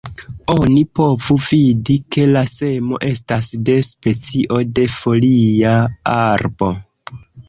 Oni povu vidi, ke la semo estas de specio de folia arbo.